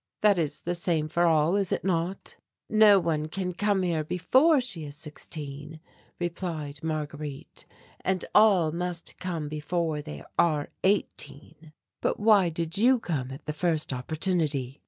"That is the same for all, is it not?" "No one can come here before she is sixteen," replied Marguerite, "and all must come before they are eighteen." "But why did you come at the first opportunity?"